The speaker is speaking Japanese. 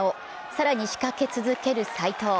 更に仕掛け続ける斉藤。